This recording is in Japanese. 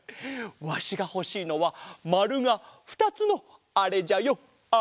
わしがほしいのはまるがふたつのあれじゃよあれ！